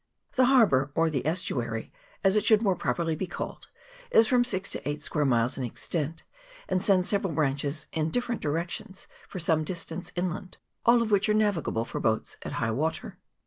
The harbour, or the estuary, as it should more properly be called, is from six to eight square miles in extent, and sends several branches in different directions for some distance inland, all of which are navigable for boats at high water.